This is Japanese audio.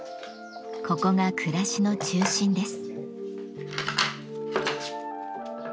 ここが暮らしの中心です。